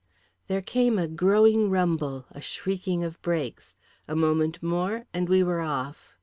There came a growing rumble, a shrieking of brakes. A moment more and we were off.